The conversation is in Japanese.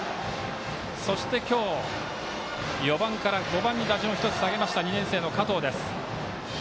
そして、今日、４番から５番に１つ打順を下げました２年生の加藤。